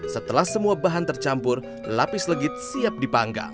setelah semua bahan tercampur lapis legit siap dipanggang